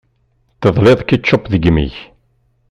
Teḍliḍ ketchup deg imi-k.